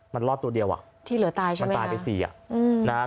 มันรอดตัวเดียวอ่ะที่เหลือตายใช่ไหมครับ